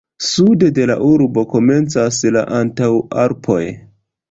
Sude de la urbo komencas la Antaŭalpoj.